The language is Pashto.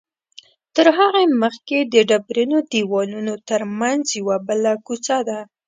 تر هغې مخکې د ډبرینو دیوالونو تر منځ یوه بله کوڅه ده.